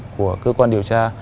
của cơ quan điều tra